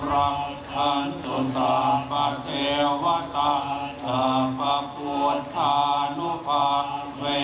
พระสงฆ์ทั้งปวงจากได้อนุโมทนาเพื่อความเป็นสถิติมงคลใหม่การเก้า